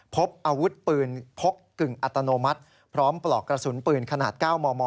พบอาวุธปืนพกกึ่งอัตโนมัติพร้อมปลอกกระสุนปืนขนาด๙มม